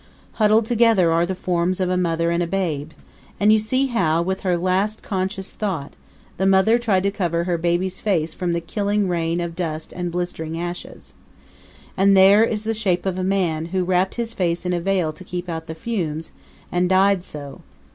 Huddled together are the forms of a mother and a babe; and you see how, with her last conscious thought, the mother tried to cover her baby's face from the killing rain of dust and blistering ashes. And there is the shape of a man who wrapped his face in a veil to keep out the fumes, and died so.